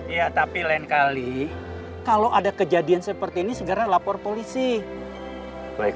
ya tapi lain kali kalau ada kejadian seperti ini segera lapor polisi